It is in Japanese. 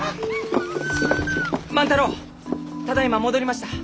万太郎ただいま戻りました。